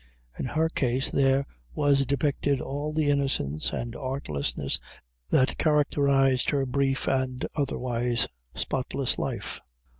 In her case there was depicted all the innocence and artlessness that characterized her brief and otherwise spotless life.